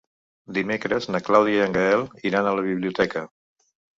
Dimecres na Clàudia i en Gaël iran a la biblioteca.